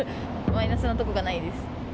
マイナスなところがないです。